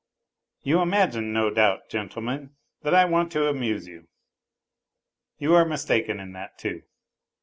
... You imagine no doubt, gentlemen, that I want to amuse you. You are mistaken in that, too.